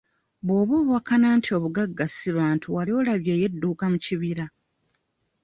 Bw'oba owakana nti obugagga si bantu wali olabyeyo edduuka mu kibira?